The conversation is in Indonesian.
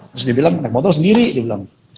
terus dia bilang naik motor sendiri dia bilang